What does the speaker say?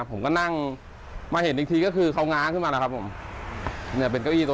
ผมก็นั่งมาเห็นอีกทีก็คือเขาง้างขึ้นมาแหละครับพี่ผม